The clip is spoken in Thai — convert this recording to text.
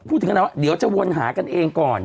พูดถึงกันแล้วเดี๋ยวจะวนหากันเองก่อน